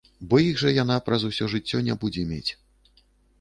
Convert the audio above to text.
Бо іх жа яна праз усё жыццё не будзе мець.